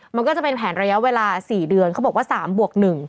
มันก็จะเป็นแผนระยะเวลา๔เดือนเขาบอกว่า๓บวก๑